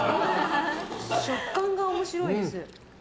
食感が面白いです。